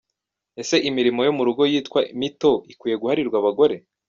Ese imirimo yo mu rugo yitwa mito ikwiye guharirwa abagore?